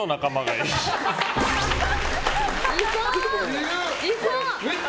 いそう！